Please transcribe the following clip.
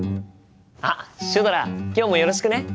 あっシュドラ今日もよろしくね。